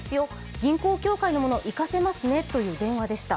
銀行協会の者、行かせますねという電話でした。